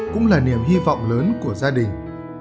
cũng là niềm hy vọng lớn của gia đình